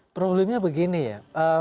problemnya begini ya